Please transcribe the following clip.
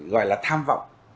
gọi là tham vọng